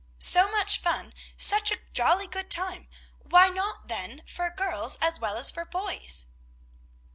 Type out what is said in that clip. "So much fun! such a jolly good time! why not, then, for girls, as well as for boys?"